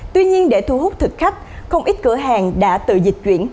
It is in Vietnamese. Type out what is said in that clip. tuy nhiên để thu hút thực khách không ít cửa hàng đã tự dịch chuyển